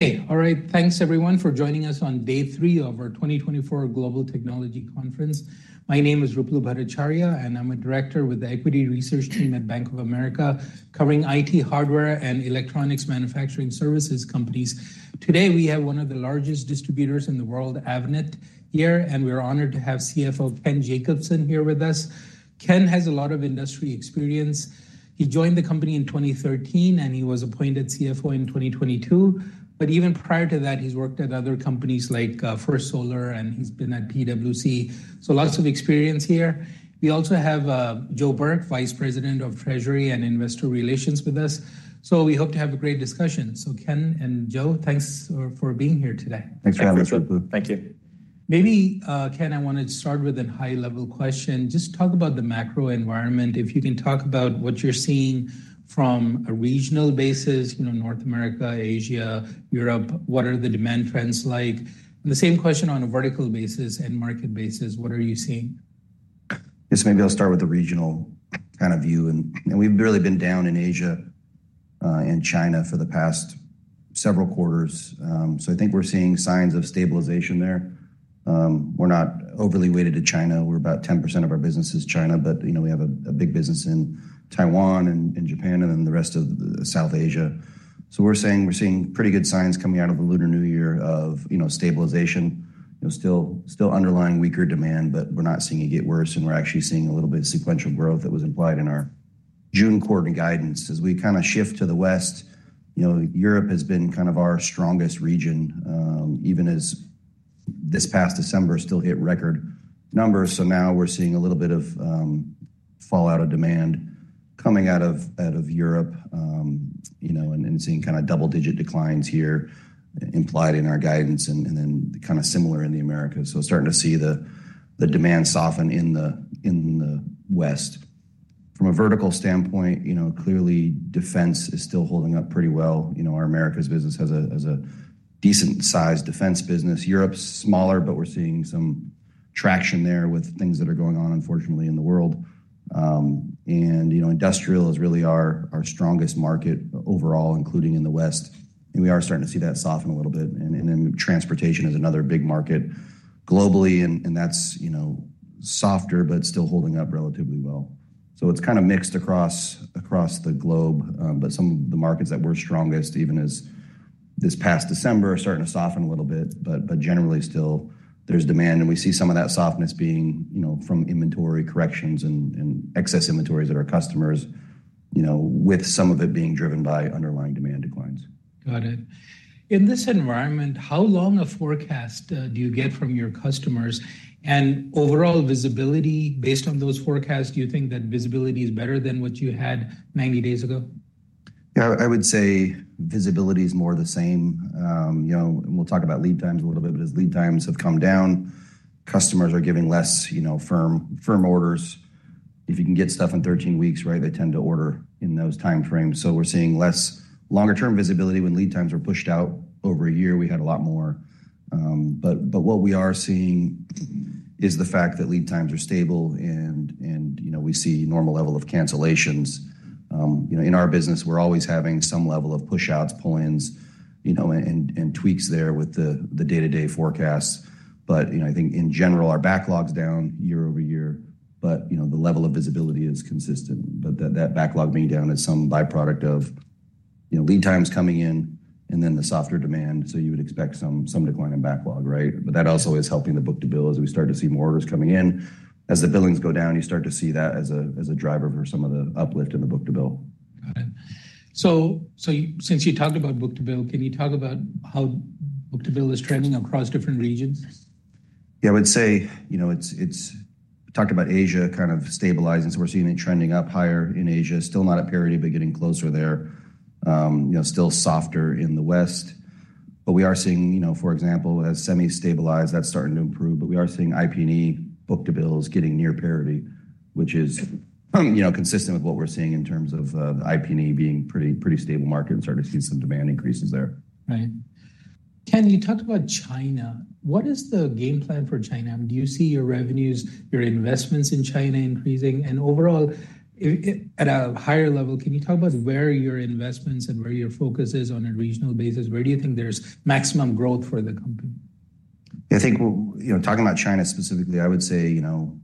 Hey. All right, thanks everyone for joining us on day three of our 2024 Global Technology Conference. My name is Ruplu Bhattacharya, and I'm a director with the equity research team at Bank of America, covering IT, hardware, and electronics manufacturing services companies. Today, we have one of the largest distributors in the world, Avnet, here, and we're honored to have CFO Ken Jacobson here with us. Ken has a lot of industry experience. He joined the company in 2013, and he was appointed CFO in 2022, but even prior to that, he's worked at other companies like, First Solar, and he's been at PwC. So lots of experience here. We also have, Joe Burke, Vice President of Treasury and Investor Relations, with us. So we hope to have a great discussion. So Ken and Joe, thanks, for being here today. Thanks for having us, Ruplu. Thank you. Maybe, Ken, I wanted to start with a high-level question. Just talk about the macro environment. If you can talk about what you're seeing from a regional basis, you know, North America, Asia, Europe, what are the demand trends like? And the same question on a vertical basis and market basis, what are you seeing? Yes, maybe I'll start with the regional kind of view, and we've really been down in Asia and China for the past several quarters. So I think we're seeing signs of stabilization there. We're not overly weighted to China. We're about 10% of our business is China, but you know, we have a big business in Taiwan and Japan and then the rest of South Asia. So we're saying we're seeing pretty good signs coming out of the Lunar New Year of you know, stabilization. You know, still underlying weaker demand, but we're not seeing it get worse, and we're actually seeing a little bit of sequential growth that was implied in our June quarter guidance. As we kind of shift to the West, you know, Europe has been kind of our strongest region, even as this past December still hit record numbers. So now we're seeing a little bit of fallout of demand coming out of Europe, you know, and seeing kind of double-digit declines here implied in our guidance, and then, kind of similar in the Americas. So starting to see the demand soften in the West. From a vertical standpoint, you know, clearly, defense is still holding up pretty well. You know, our Americas business has a decent-sized defense business. Europe's smaller, but we're seeing some traction there with things that are going on, unfortunately, in the world. And, you know, industrial is really our strongest market overall, including in the West, and we are starting to see that soften a little bit, and then transportation is another big market globally, and that's, you know, softer, but still holding up relatively well. So it's kind of mixed across the globe, but some of the markets that we're strongest, even as this past December, are starting to soften a little bit, but generally still there's demand, and we see some of that softness being, you know, from inventory corrections and excess inventories at our customers, you know, with some of it being driven by underlying demand declines. Got it. In this environment, how long a forecast do you get from your customers? And overall visibility, based on those forecasts, do you think that visibility is better than what you had 90 days ago? Yeah, I would say visibility is more the same. You know, and we'll talk about lead times a little bit, but as lead times have come down, customers are giving less, you know, firm, firm orders. If you can get stuff in 13 weeks, right, they tend to order in those time frames. So we're seeing less longer-term visibility. When lead times were pushed out over a year, we had a lot more. But what we are seeing is the fact that lead times are stable and, you know, we see normal level of cancellations. You know, in our business, we're always having some level of push outs, pull-ins, you know, and tweaks there with the day-to-day forecasts. But, you know, I think in general, our backlog's down year-over-year, but, you know, the level of visibility is consistent. But that backlog being down is some by-product of, you know, lead times coming in and then the softer demand, so you would expect some decline in backlog, right? But that also is helping the book-to-bill as we start to see more orders coming in. As the billings go down, you start to see that as a driver for some of the uplift in the book-to-bill. Got it. So, since you talked about book-to-bill, can you talk about how book-to-bill is trending across different regions? Yeah, I would say, you know, it's... We talked about Asia kind of stabilizing, so we're seeing it trending up higher in Asia. Still not at parity, but getting closer there. You know, still softer in the West, but we are seeing, you know, for example, as semi stabilized, that's starting to improve, but we are seeing IP&E book-to-bill is getting near parity, which is, you know, consistent with what we're seeing in terms of, IP&E being pretty, pretty stable market and starting to see some demand increases there. Right. Ken, you talked about China. What is the game plan for China? Do you see your revenues, your investments in China increasing? And overall, at a higher level, can you talk about where your investments and where your focus is on a regional basis? Where do you think there's maximum growth for the company? I think, you know, talking about China specifically, I would say, you know,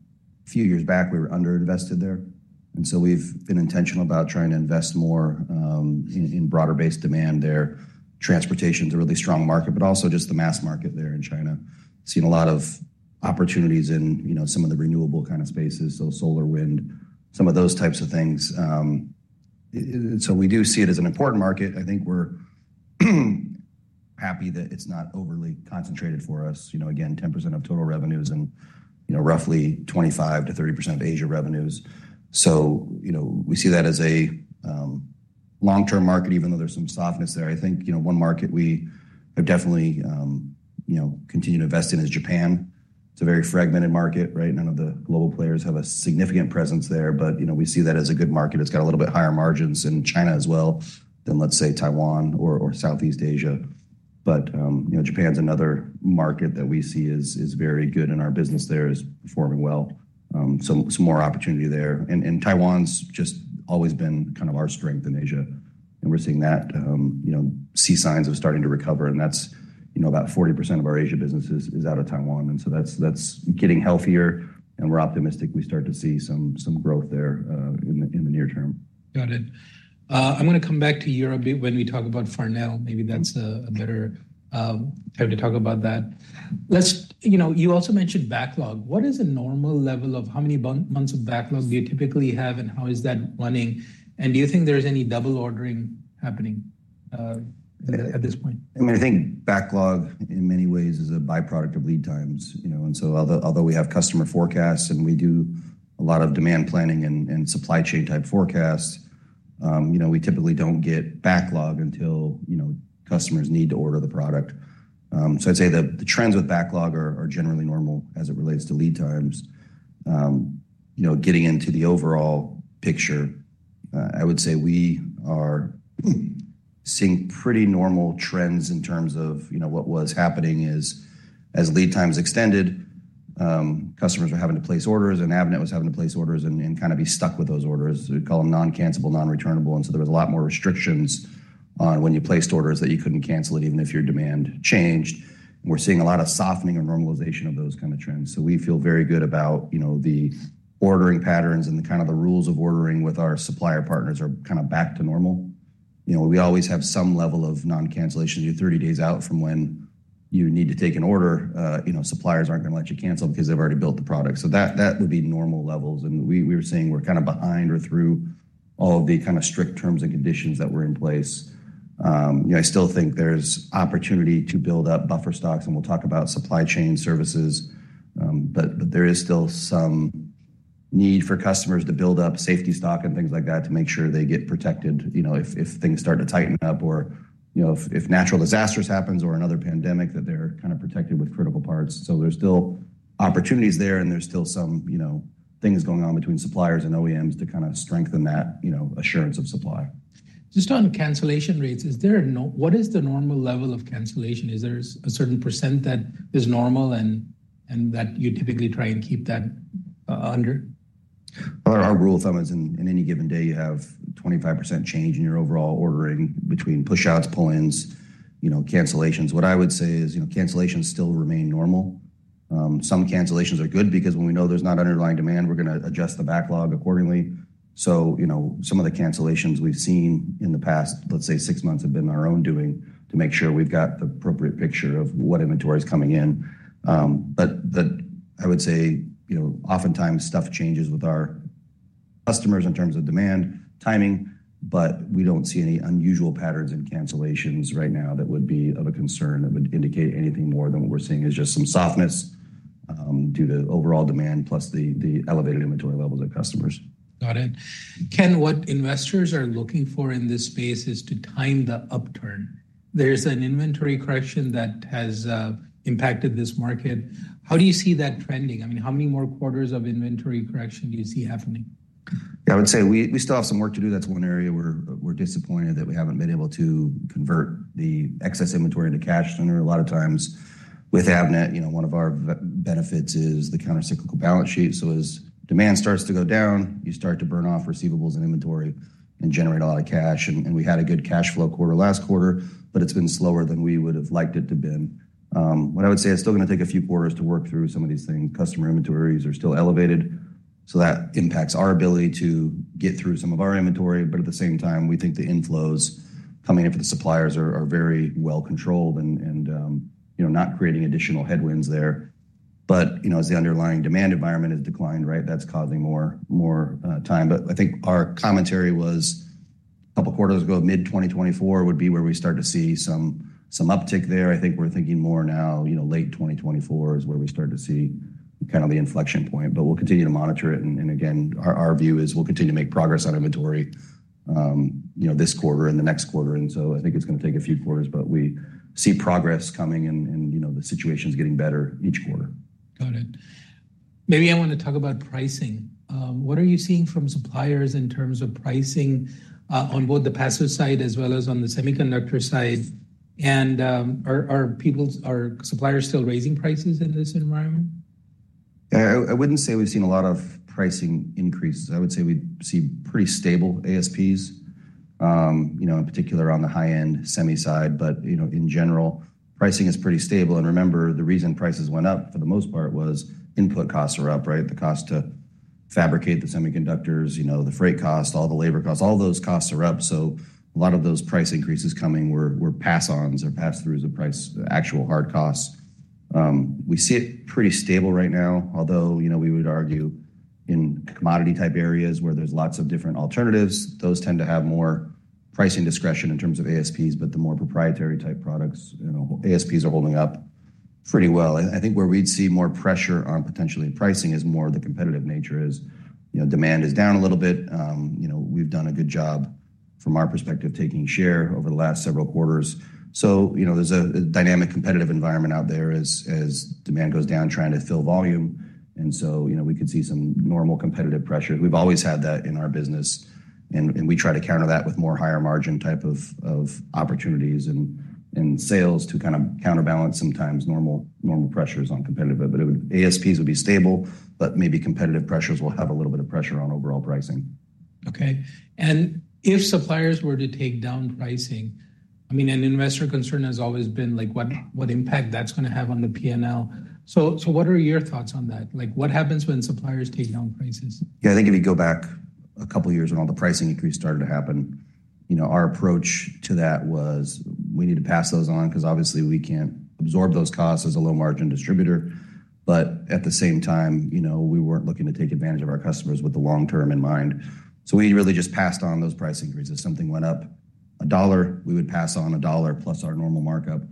a few years back, we were under invested there, and so we've been intentional about trying to invest more in broader-based demand there. Transportation's a really strong market, but also just the mass market there in China. Seen a lot of opportunities in, you know, some of the renewable kind of spaces, so solar, wind, some of those types of things. So we do see it as an important market. I think we're happy that it's not overly concentrated for us. You know, again, 10% of total revenues and, you know, roughly 25%-30% of Asia revenues. So, you know, we see that as a long-term market, even though there's some softness there. I think, you know, one market we have definitely continued to invest in is Japan. It's a very fragmented market, right? None of the global players have a significant presence there, but, you know, we see that as a good market. It's got a little bit higher margins in China as well than, let's say, Taiwan or Southeast Asia. But, you know, Japan's another market that we see is very good, and our business there is performing well. Some more opportunity there. Taiwan's just always been kind of our strength in Asia, and we're seeing that, you know, see signs of starting to recover, and that's, you know, about 40% of our Asia business is out of Taiwan, and so that's getting healthier, and we're optimistic we start to see some growth there, in the near term. Got it. I'm gonna come back to Europe a bit when we talk about Farnell. Maybe that's a better time to talk about that. Let's. You know, you also mentioned backlog. What is a normal level of how many months of backlog do you typically have, and how is that running? And do you think there is any double ordering happening at this point? I mean, I think backlog, in many ways, is a byproduct of lead times, you know, and so although we have customer forecasts and we do a lot of demand planning and supply chain type forecasts, you know, we typically don't get backlog until, you know, customers need to order the product. So I'd say the trends with backlog are generally normal as it relates to lead times. You know, getting into the overall picture, I would say we are seeing pretty normal trends in terms of, you know, what was happening is, as lead times extended, customers were having to place orders, and Avnet was having to place orders and kind of be stuck with those orders. We call them non-cancellable, non-returnable, and so there was a lot more restrictions on when you placed orders that you couldn't cancel it, even if your demand changed. We're seeing a lot of softening and normalization of those kind of trends. We feel very good about, you know, the ordering patterns and the kind of the rules of ordering with our supplier partners are kind of back to normal. You know, we always have some level of non-cancellation. You're 30 days out from when you need to take an order, you know, suppliers aren't gonna let you cancel because they've already built the product. So that, that would be normal levels, and we, we were saying we're kind of behind or through all of the kind of strict terms and conditions that were in place. You know, I still think there's opportunity to build up buffer stocks, and we'll talk about supply chain services, but there is still some need for customers to build up safety stock and things like that, to make sure they get protected, you know, if things start to tighten up or, you know, if natural disasters happens or another pandemic, that they're kind of protected with critical parts. So there's still opportunities there, and there's still some, you know, things going on between suppliers and OEMs to kind of strengthen that, you know, assurance of supply. Just on cancellation rates, is there a normal level of cancellation? Is there a certain percent that is normal and that you typically try and keep that under? Well, our rule of thumb is, in any given day, you have 25% change in your overall ordering between push outs, pull-ins, you know, cancellations. What I would say is, you know, cancellations still remain normal. Some cancellations are good because when we know there's not underlying demand, we're gonna adjust the backlog accordingly. So, you know, some of the cancellations we've seen in the past, let's say, six months have been our own doing to make sure we've got the appropriate picture of what inventory is coming in. I would say, you know, oftentimes stuff changes with our customers in terms of demand, timing, but we don't see any unusual patterns in cancellations right now that would be of a concern, that would indicate anything more than what we're seeing is just some softness, due to overall demand, plus the elevated inventory levels of customers. Got it. Ken, what investors are looking for in this space is to time the upturn. There's an inventory correction that has impacted this market. How do you see that trending? I mean, how many more quarters of inventory correction do you see happening? Yeah, I would say we still have some work to do. That's one area where we're disappointed that we haven't been able to convert the excess inventory into cash. And there are a lot of times with Avnet, you know, one of our benefits is the countercyclical balance sheet. So as demand starts to go down, you start to burn off receivables and inventory and generate a lot of cash, and we had a good cash flow quarter last quarter, but it's been slower than we would've liked it to have been. What I would say, it's still gonna take a few quarters to work through some of these things. Customer inventories are still elevated, so that impacts our ability to get through some of our inventory, but at the same time, we think the inflows coming in from the suppliers are very well controlled and, you know, not creating additional headwinds there. But, you know, as the underlying demand environment has declined, right, that's causing more time. But I think our commentary was a couple of quarters ago, mid-2024 would be where we start to see some uptick there. I think we're thinking more now, you know, late 2024 is where we start to see kind of the inflection point, but we'll continue to monitor it. And again, our view is we'll continue to make progress on inventory, you know, this quarter and the next quarter, and so I think it's gonna take a few quarters, but we see progress coming and, you know, the situation's getting better each quarter. Got it. Maybe I want to talk about pricing. What are you seeing from suppliers in terms of pricing on both the passive side as well as on the semiconductor side? And, are suppliers still raising prices in this environment? Yeah, I wouldn't say we've seen a lot of pricing increases. I would say we've seen pretty stable ASPs, you know, in particular on the high-end semi side. But, you know, in general, pricing is pretty stable. And remember, the reason prices went up, for the most part, was input costs are up, right? The cost to fabricate the semiconductors, you know, the freight cost, all the labor costs, all those costs are up, so a lot of those price increases coming were pass-ons or pass-throughs of price, actual hard costs. We see it pretty stable right now, although, you know, we would argue in commodity-type areas where there's lots of different alternatives, those tend to have more pricing discretion in terms of ASPs, but the more proprietary-type products, you know, ASPs are holding up pretty well. I think where we'd see more pressure on potentially pricing is more the competitive nature is... You know, demand is down a little bit. You know, we've done a good job from our perspective, taking share over the last several quarters. So, you know, there's a dynamic competitive environment out there as demand goes down, trying to fill volume, and so, you know, we could see some normal competitive pressure. We've always had that in our business... and we try to counter that with more higher margin type of opportunities and sales to kind of counterbalance sometimes normal pressures on competitive. But it would, ASPs would be stable, but maybe competitive pressures will have a little bit of pressure on overall pricing. Okay. And if suppliers were to take down pricing, I mean, an investor concern has always been like, what, what impact that's gonna have on the PNL? So, so what are your thoughts on that? Like, what happens when suppliers take down prices? Yeah, I think if you go back a couple of years when all the pricing increase started to happen, you know, our approach to that was we need to pass those on 'cause obviously we can't absorb those costs as a low-margin distributor. But at the same time, you know, we weren't looking to take advantage of our customers with the long term in mind. So we really just passed on those price increases. If something went up $1, we would pass on $1 plus our normal markup.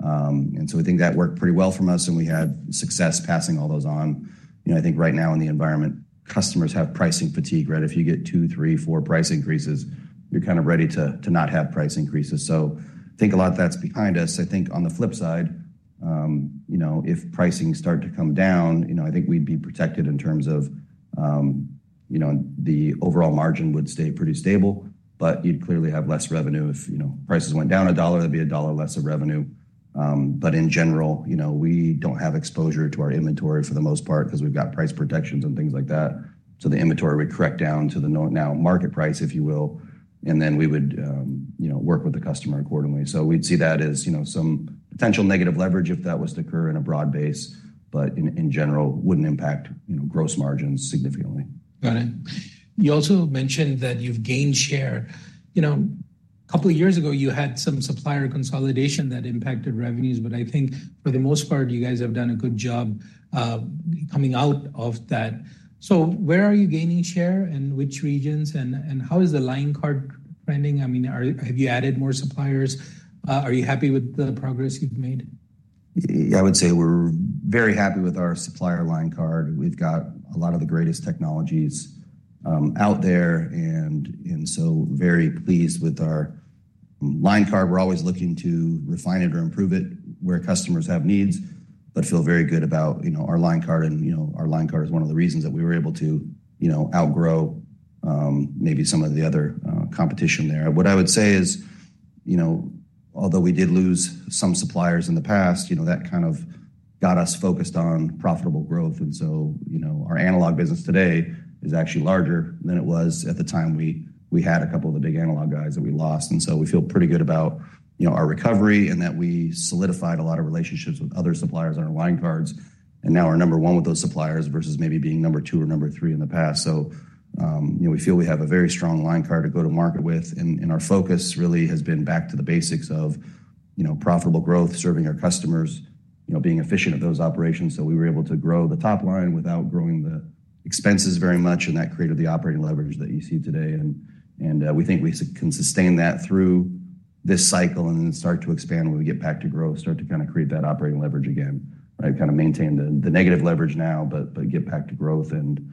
And so I think that worked pretty well from us, and we had success passing all those on. You know, I think right now in the environment, customers have pricing fatigue, right? If you get 2, 3, 4 price increases, you're kind of ready to not have price increases. So I think a lot of that's behind us. I think on the flip side, you know, if pricing started to come down, you know, I think we'd be protected in terms of, you know, the overall margin would stay pretty stable, but you'd clearly have less revenue. If, you know, prices went down a dollar, that'd be a dollar less of revenue. But in general, you know, we don't have exposure to our inventory for the most part 'cause we've got price protections and things like that. So the inventory would correct down to the now market price, if you will, and then we would, you know, work with the customer accordingly. So we'd see that as, you know, some potential negative leverage if that was to occur in a broad base, but in general, wouldn't impact, you know, gross margins significantly. Got it. You also mentioned that you've gained share. You know, a couple of years ago, you had some supplier consolidation that impacted revenues, but I think for the most part, you guys have done a good job coming out of that. So where are you gaining share, in which regions, and how is the line card trending? I mean, have you added more suppliers? Are you happy with the progress you've made? Yeah, I would say we're very happy with our supplier line card. We've got a lot of the greatest technologies out there, and so very pleased with our line card. We're always looking to refine it or improve it where customers have needs, but feel very good about, you know, our line card and, you know, our line card is one of the reasons that we were able to, you know, outgrow maybe some of the other competition there. What I would say is, you know, although we did lose some suppliers in the past, you know, that kind of got us focused on profitable growth, and so, you know, our analog business today is actually larger than it was at the time we had a couple of the big analog guys that we lost. So we feel pretty good about, you know, our recovery and that we solidified a lot of relationships with other suppliers on our line cards, and now we're number one with those suppliers versus maybe being number two or number three in the past. So, you know, we feel we have a very strong line card to go to market with, and we think we can sustain that through this cycle and then start to expand when we get back to growth, start to kind of create that operating leverage again, right? Kind of maintain the negative leverage now, but get back to growth and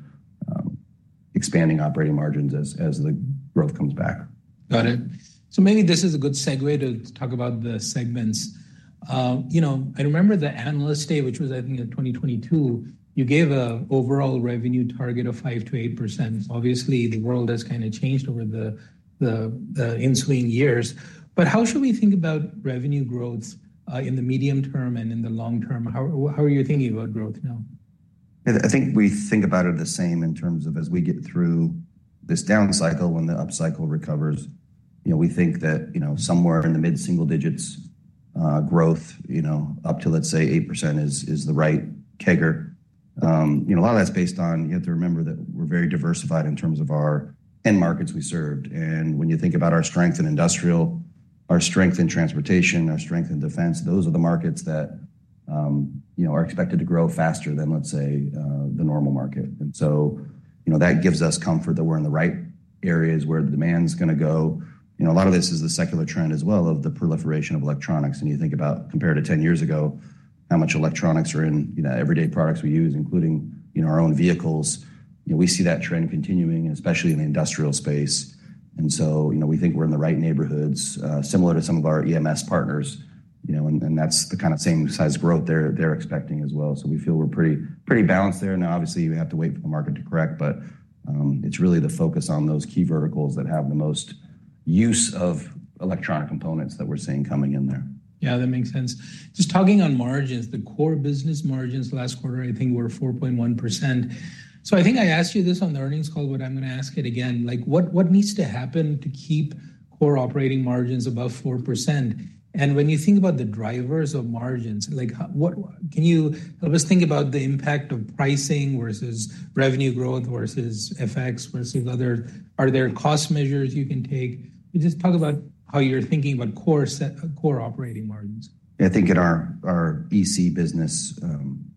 expanding operating margins as the growth comes back. Got it. So maybe this is a good segue to talk about the segments. You know, I remember the Analyst Day, which was, I think, in 2022, you gave an overall revenue target of 5%-8%. Obviously, the world has kind of changed over the ensuing years. But how should we think about revenue growth in the medium term and in the long term? How are you thinking about growth now? I think we think about it the same in terms of as we get through this down cycle, when the upcycle recovers, you know, we think that, you know, somewhere in the mid-single digits, growth, you know, up to, let's say, 8% is, is the right figure. You know, a lot of that's based on... You have to remember that we're very diversified in terms of our end markets we served. And when you think about our strength in industrial, our strength in transportation, our strength in defense, those are the markets that, you know, are expected to grow faster than, let's say, the normal market. And so, you know, that gives us comfort that we're in the right areas where the demand is gonna go. You know, a lot of this is the secular trend as well, of the proliferation of electronics. You think about compared to 10 years ago, how much electronics are in, you know, everyday products we use, including, you know, our own vehicles. You know, we see that trend continuing, especially in the industrial space. So, you know, we think we're in the right neighborhoods, similar to some of our EMS partners, you know, and that's the kind of same size growth they're expecting as well. So we feel we're pretty, pretty balanced there. Now, obviously, you have to wait for the market to correct, but it's really the focus on those key verticals that have the most use of electronic components that we're seeing coming in there. Yeah, that makes sense. Just talking on margins, the core business margins last quarter, I think, were 4.1%. So I think I asked you this on the earnings call, but I'm gonna ask it again. Like, what needs to happen to keep core operating margins above 4%? And when you think about the drivers of margins, like, what can you... Let's think about the impact of pricing versus revenue growth, versus FX, versus other. Are there cost measures you can take? Just talk about how you're thinking about core set, core operating margins. I think in our BC business,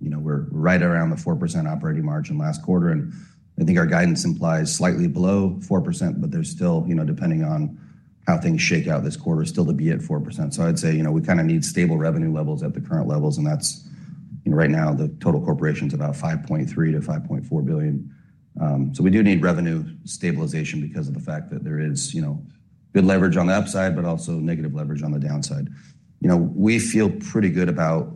you know, we're right around the 4% operating margin last quarter, and I think our guidance implies slightly below 4%, but there's still, you know, depending on how things shake out this quarter, still to be at 4%. So I'd say, you know, we kind of need stable revenue levels at the current levels, and that's, you know, right now, the total corporation's about $5.3 billion-$5.4 billion. So we do need revenue stabilization because of the fact that there is, you know, good leverage on the upside, but also negative leverage on the downside. You know, we feel pretty good about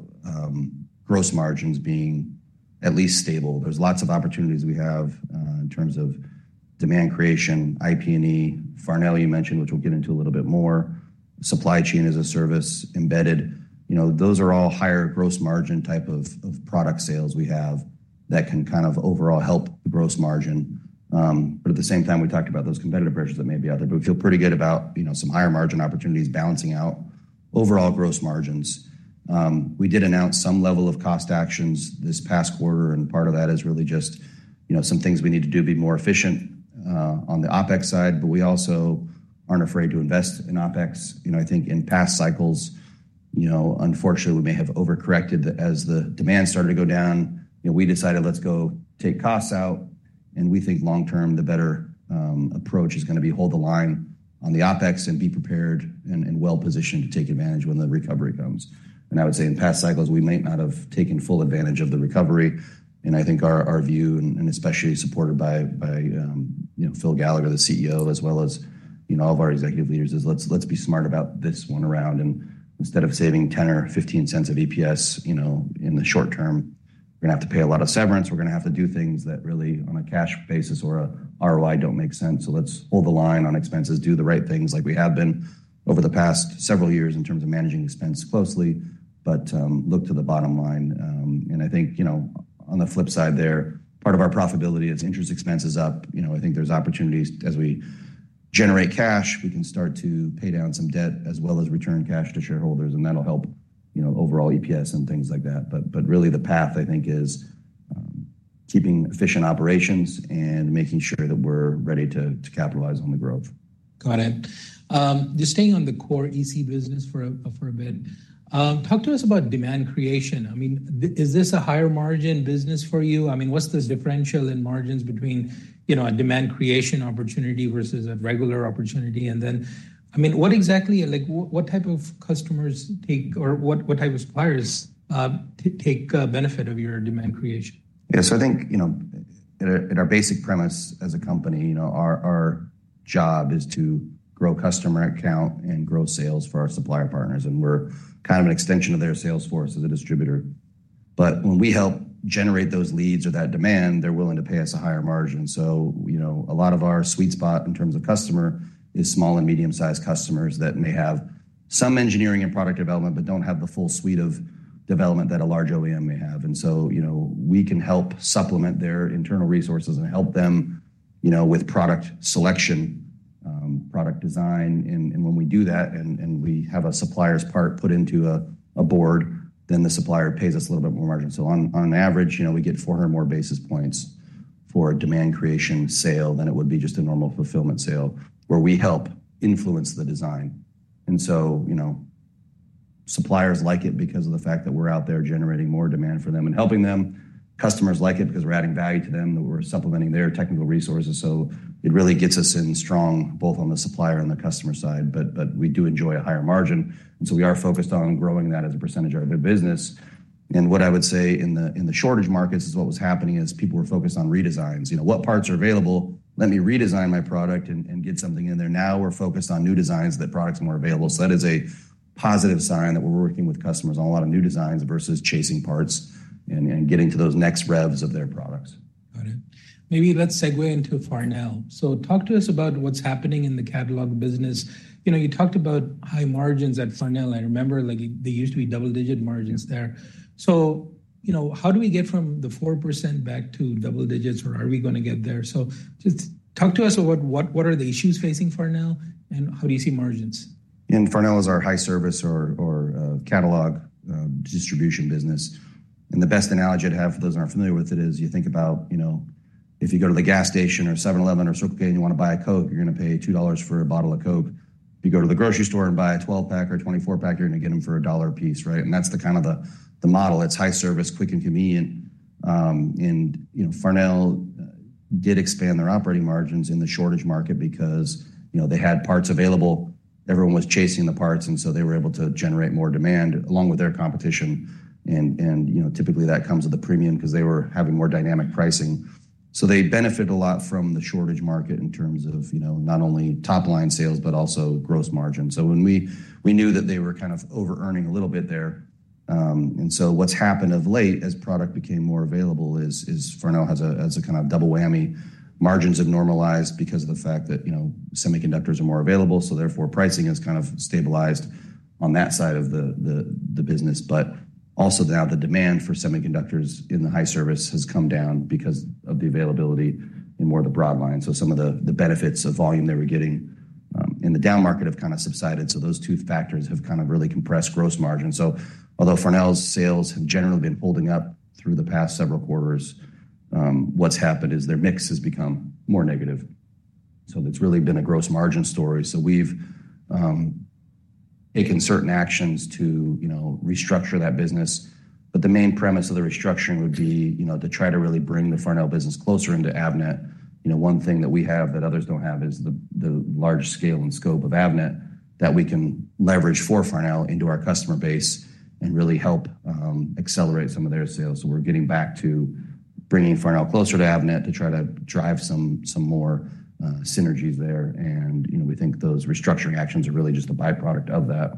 gross margins being at least stable. There's lots of opportunities we have in terms of demand creation, IP&E, Farnell, you mentioned, which we'll get into a little bit more. Supply chain as a service, Embedded, you know, those are all higher gross margin type of product sales we have that can kind of overall help the gross margin. But at the same time, we talked about those competitive pressures that may be out there, but we feel pretty good about, you know, some higher margin opportunities balancing out overall gross margins. We did announce some level of cost actions this past quarter, and part of that is really just, you know, some things we need to do to be more efficient on the OpEx side, but we also aren't afraid to invest in OpEx. You know, I think in past cycles, you know, unfortunately, we may have overcorrected as the demand started to go down, you know, we decided, let's go take costs out, and we think long term, the better approach is gonna be hold the line on the OpEx and be prepared and well-positioned to take advantage when the recovery comes. I would say in past cycles, we might not have taken full advantage of the recovery. And I think our view, and especially supported by, by you know, Phil Gallagher, the CEO, as well as, you know, all of our executive leaders, is let's be smart about this one around. Instead of saving $0.10 or $0.15 of EPS, you know, in the short term, we're gonna have to pay a lot of severance. We're gonna have to do things that really, on a cash basis or a ROI, don't make sense. So let's hold the line on expenses, do the right things like we have been over the past several years in terms of managing expense closely, but look to the bottom line. And I think, you know, on the flip side there, part of our profitability is interest expense is up. You know, I think there's opportunities as we generate cash, we can start to pay down some debt as well as return cash to shareholders, and that'll help, you know, overall EPS and things like that. But really the path, I think, is keeping efficient operations and making sure that we're ready to capitalize on the growth. Got it. Just staying on the core EC business for a bit, talk to us about demand creation. I mean, is this a higher margin business for you? I mean, what's this differential in margins between, you know, a demand creation opportunity versus a regular opportunity? And then, I mean, what exactly, like, what type of customers take or what type of suppliers take benefit of your demand creation? Yeah. So I think, you know, at our, at our basic premise as a company, you know, our, our job is to grow customer account and grow sales for our supplier partners, and we're kind of an extension of their sales force as a distributor. But when we help generate those leads or that demand, they're willing to pay us a higher margin. So, you know, a lot of our sweet spot in terms of customer is small and medium-sized customers that may have some engineering and product development, but don't have the full suite of development that a large OEM may have. And so, you know, we can help supplement their internal resources and help them, you know, with product selection, product design. And when we do that and we have a supplier's part put into a board, then the supplier pays us a little bit more margin. So on average, you know, we get 400 more basis points for a demand creation sale than it would be just a normal fulfillment sale, where we help influence the design. And so, you know, suppliers like it because of the fact that we're out there generating more demand for them and helping them. Customers like it because we're adding value to them, that we're supplementing their technical resources. So it really gets us in strong, both on the supplier and the customer side, but we do enjoy a higher margin, and so we are focused on growing that as a percentage of our business. What I would say in the shortage markets is what was happening is people were focused on redesigns. You know, what parts are available, let me redesign my product and get something in there. Now we're focused on new designs, that products are more available. So that is a positive sign that we're working with customers on a lot of new designs versus chasing parts and getting to those next revs of their products. Got it. Maybe let's segue into Farnell. So talk to us about what's happening in the catalog business. You know, you talked about high margins at Farnell. I remember, like, they used to be double-digit margins there. So, you know, how do we get from the 4% back to double digits, or are we gonna get there? So just talk to us about what, what, what are the issues facing Farnell, and how do you see margins? Yeah, Farnell is our high service catalog distribution business. The best analogy I'd have for those who aren't familiar with it is you think about, you know, if you go to the gas station or 7-Eleven or Circle K and you want to buy a Coke, you're gonna pay $2 for a bottle of Coke. If you go to the grocery store and buy a 12-pack or a 24-pack, you're gonna get them for $1 a piece, right? That's the kind of model. It's high service, quick and convenient. You know, Farnell did expand their operating margins in the shortage market because, you know, they had parts available. Everyone was chasing the parts, and so they were able to generate more demand along with their competition. And, you know, typically that comes with a premium because they were having more dynamic pricing. So they benefit a lot from the shortage market in terms of, you know, not only top-line sales, but also gross margin. So when we knew that they were kind of overearning a little bit there. And so what's happened of late, as product became more available, is Farnell has a kind of double whammy. Margins have normalized because of the fact that, you know, semiconductors are more available, so therefore, pricing has kind of stabilized on that side of the business. But also now the demand for semiconductors in the high service has come down because of the availability in more of the broad line. So some of the benefits of volume they were getting in the down market have kind of subsided. So those two factors have kind of really compressed gross margin. So although Farnell's sales have generally been holding up through the past several quarters, what's happened is their mix has become more negative. So it's really been a gross margin story. So we've taken certain actions to, you know, restructure that business, but the main premise of the restructuring would be, you know, to try to really bring the Farnell business closer into Avnet. You know, one thing that we have that others don't have is the large scale and scope of Avnet that we can leverage for Farnell into our customer base and really help accelerate some of their sales. So we're getting back to bringing Farnell closer to Avnet to try to drive some more synergies there. You know, we think those restructuring actions are really just a byproduct of that...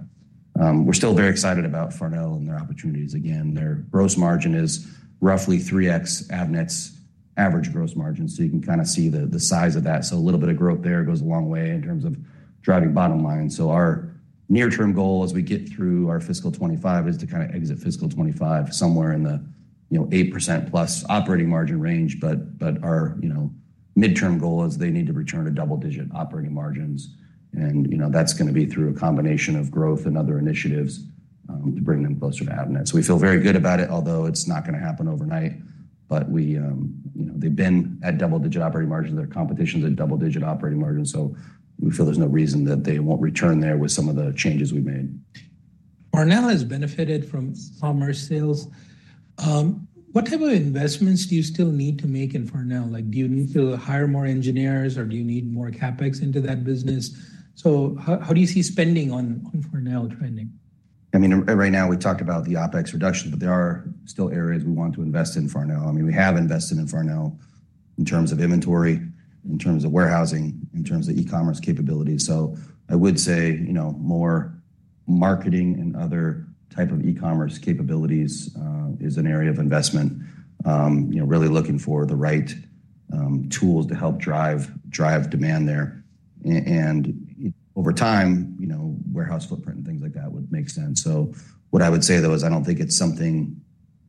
We're still very excited about Farnell and their opportunities. Again, their gross margin is roughly 3x Avnet's average gross margin, so you can kind of see the size of that. So a little bit of growth there goes a long way in terms of driving bottom line. So our near-term goal, as we get through our fiscal 2025, is to kind of exit fiscal 2025 somewhere in the, you know, 8%+ operating margin range. But, but our, you know, midterm goal is they need to return to double-digit operating margins, and, you know, that's gonna be through a combination of growth and other initiatives to bring them closer to Avnet. So we feel very good about it, although it's not gonna happen overnight. But we, you know, they've been at double-digit operating margins. Their competition's at double-digit operating margins, so we feel there's no reason that they won't return there with some of the changes we've made. Farnell has benefited from commerce sales. What type of investments do you still need to make in Farnell? Like, do you need to hire more engineers, or do you need more CapEx into that business? So how do you see spending on Farnell trending? I mean, right now, we talked about the OpEx reduction, but there are still areas we want to invest in Farnell. I mean, we have invested in Farnell in terms of inventory, in terms of warehousing, in terms of e-commerce capabilities. So I would say, you know, more marketing and other type of e-commerce capabilities is an area of investment. You know, really looking for the right tools to help drive demand there. And over time, you know, warehouse footprint and things like that would make sense. So what I would say, though, is I don't think it's something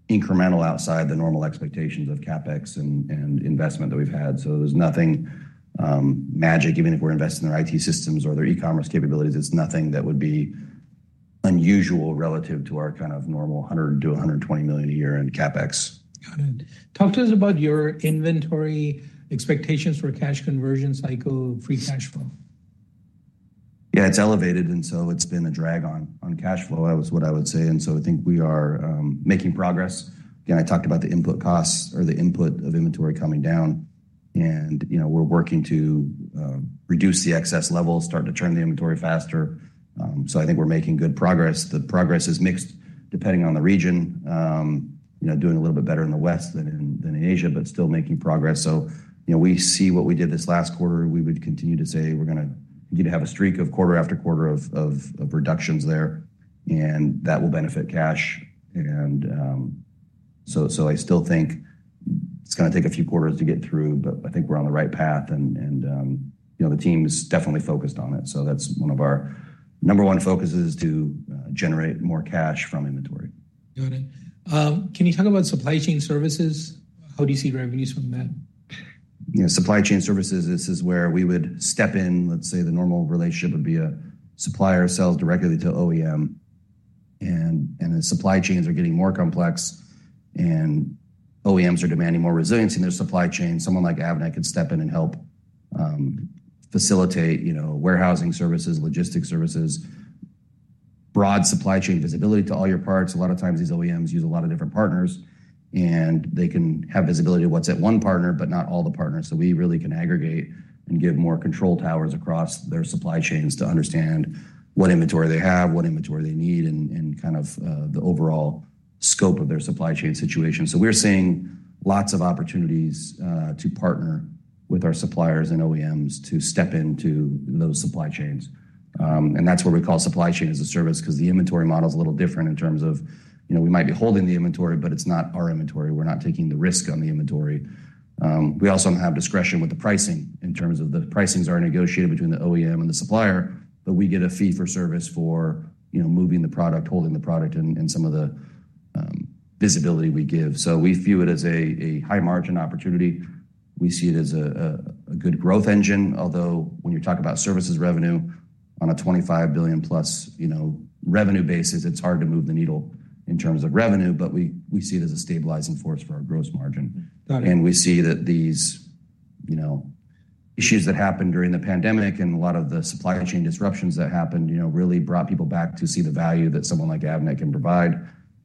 incremental outside the normal expectations of CapEx and investment that we've had. So there's nothing magic. Even if we're investing in their IT systems or their e-commerce capabilities, it's nothing that would be unusual relative to our kind of normal $100 million-$120 million a year in CapEx. Got it. Talk to us about your inventory expectations for cash conversion cycle, free cash flow? Yeah, it's elevated, and so it's been a drag on, on cash flow, that was what I would say, and so I think we are making progress. Again, I talked about the input costs or the input of inventory coming down, and, you know, we're working to reduce the excess levels, start to turn the inventory faster. So I think we're making good progress. The progress is mixed, depending on the region. You know, doing a little bit better in the West than in, than in Asia, but still making progress. So, you know, we see what we did this last quarter. We would continue to say we're gonna need to have a streak of quarter after quarter of, of, of reductions there, and that will benefit cash. So I still think it's gonna take a few quarters to get through, but I think we're on the right path and, you know, the team is definitely focused on it. So that's one of our number one focus is to generate more cash from inventory. Got it. Can you talk about supply chain services? How do you see revenues from that? You know, supply chain services, this is where we would step in. Let's say the normal relationship would be a supplier sells directly to OEM, and, and the supply chains are getting more complex, and OEMs are demanding more resiliency in their supply chain. Someone like Avnet could step in and help, facilitate, you know, warehousing services, logistics services, broad supply chain visibility to all your parts. A lot of times, these OEMs use a lot of different partners, and they can have visibility of what's at one partner, but not all the partners. So we really can aggregate and give more control towers across their supply chains to understand what inventory they have, what inventory they need, and, and kind of, the overall scope of their supply chain situation. So we're seeing lots of opportunities to partner with our suppliers and OEMs to step into those supply chains. And that's what we call supply chain as a service, because the inventory model is a little different in terms of, you know, we might be holding the inventory, but it's not our inventory. We're not taking the risk on the inventory. We also have discretion with the pricing in terms of the pricings are negotiated between the OEM and the supplier, but we get a fee for service for, you know, moving the product, holding the product, and some of the visibility we give. So we view it as a high-margin opportunity. We see it as a good growth engine, although when you talk about services revenue on a $25 billion+, you know, revenue basis, it's hard to move the needle in terms of revenue, but we see it as a stabilizing force for our gross margin. Got it. And we see that these, you know, issues that happened during the pandemic and a lot of the supply chain disruptions that happened, you know, really brought people back to see the value that someone like Avnet can provide,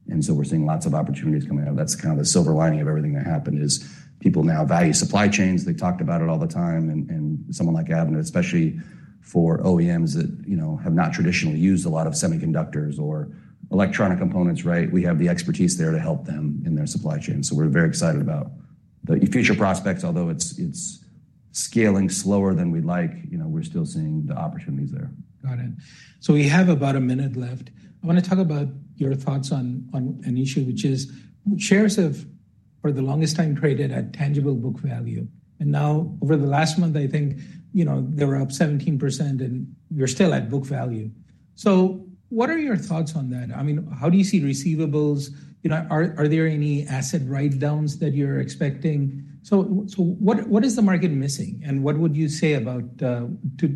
and so we're seeing lots of opportunities coming out. That's kind of the silver lining of everything that happened, is people now value supply chains. They've talked about it all the time, and someone like Avnet, especially for OEMs that, you know, have not traditionally used a lot of semiconductors or electronic components, right? We have the expertise there to help them in their supply chain, so we're very excited about the future prospects, although it's scaling slower than we'd like, you know, we're still seeing the opportunities there. Got it. So we have about a minute left. I wanna talk about your thoughts on an issue, which is shares have, for the longest time, traded at tangible book value, and now over the last month, I think, you know, they were up 17%, and you're still at book value. So what are your thoughts on that? I mean, how do you see receivables? You know, are there any asset write-downs that you're expecting? So what is the market missing, and what would you say about to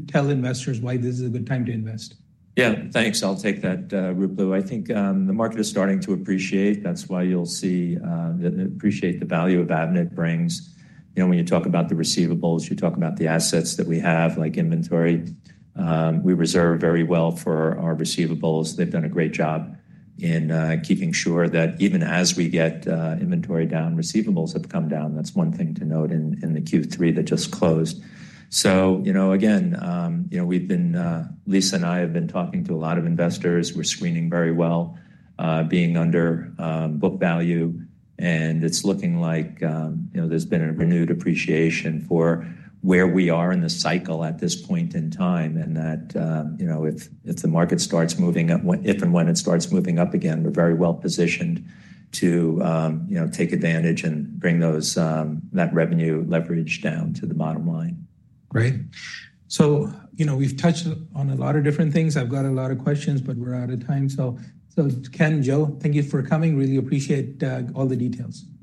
tell investors why this is a good time to invest? Yeah. Thanks. I'll take that, Ruplu. I think the market is starting to appreciate. That's why you'll see appreciate the value of Avnet brings. You know, when you talk about the receivables, you talk about the assets that we have, like inventory. We reserve very well for our receivables. They've done a great job in keeping sure that even as we get inventory down, receivables have come down. That's one thing to note in the Q3 that just closed. So, you know, again, you know, we've been Lisa and I have been talking to a lot of investors. We're screening very well, being under book value, and it's looking like, you know, there's been a renewed appreciation for where we are in the cycle at this point in time, and that, you know, if the market starts moving up, if and when it starts moving up again, we're very well positioned to, you know, take advantage and bring that revenue leverage down to the bottom line. Great. So, you know, we've touched on a lot of different things. I've got a lot of questions, but we're out of time. So, so Ken, Joe, thank you for coming. Really appreciate all the details.